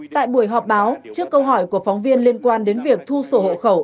tại buổi họp báo trước câu hỏi của phóng viên liên quan đến việc thu sổ hộ khẩu